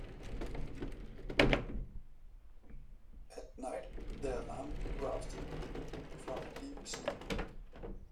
At night the alarm roused him from a deep sleep.